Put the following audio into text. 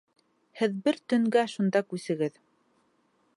Һеҙ бер төнгә шунда күсегеҙ.